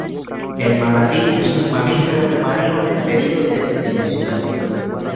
El manatí es un mamífero marino en peligro de extinción.